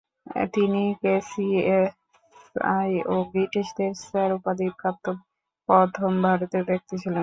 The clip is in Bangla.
তিনি কেসিএসআই ও ব্রিটিশদের স্যার উপাধি প্রাপ্ত প্রথম ভারতীয় ব্যক্তি ছিলেন।